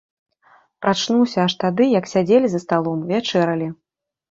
Прачнуўся аж тады, як сядзелі за сталом, вячэралі.